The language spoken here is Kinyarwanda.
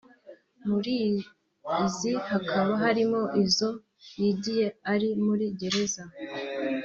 muri izi hakaba harimo izo yigiye ari muri gereza